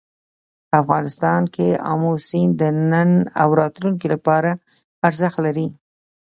افغانستان کې آمو سیند د نن او راتلونکي لپاره ارزښت لري.